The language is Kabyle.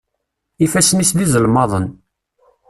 Ifassen-is d izelmaḍen.